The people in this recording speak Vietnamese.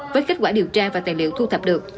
với kết quả điều tra và tài liệu thu thập được